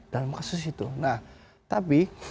dalam kasus itu nah tapi